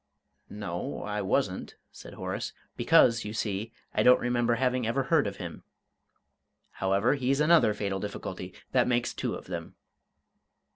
"No, I wasn't," said Horace; "because, you see, I don't remember having ever heard of him. However, he's another fatal difficulty. That makes two of them."